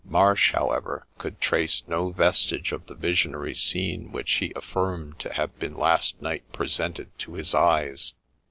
Marsh, however, could trace no vestige of the visionary scene which he affirmed to have been last night presented to his eyes.